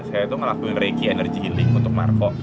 saya itu ngelakuin reiki energi healing untuk marco